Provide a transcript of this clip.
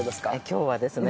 今日はですね